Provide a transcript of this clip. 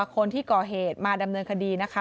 คนที่ก่อเหตุมาดำเนินคดีนะคะ